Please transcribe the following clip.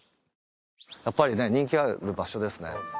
やっぱりね人気がある場所ですね